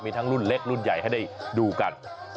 มีทั้งรุ่นเล็กรุ่นใหญ่ให้ได้ดูกัน